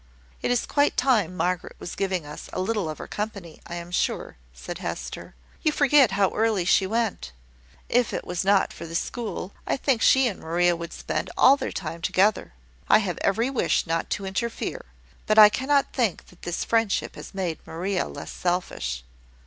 "It is quite time Margaret was giving us a little of her company, I am sure," said Hester. "You forget how early she went. If it was not for the school, I think she and Maria would spend all their time together. I have every wish not to interfere: but I cannot think that this friendship has made Maria less selfish."